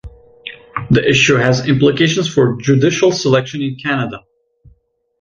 This issue has implications for judicial selection in Canada.